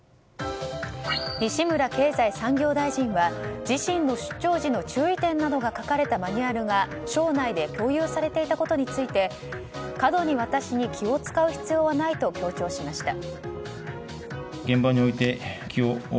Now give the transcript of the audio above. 西村経済産業大臣は自身の出張時の注意点などが書かれたマニュアルが、省内で共有されていたことについて過度に私に気を使う必要はないと強調しました。